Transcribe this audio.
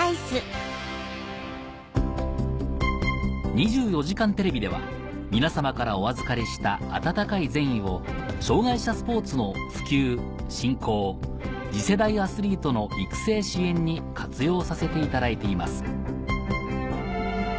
『２４時間テレビ』では皆さまからお預かりした温かい善意を障がい者スポーツの普及振興次世代アスリートの育成支援に活用させていただいています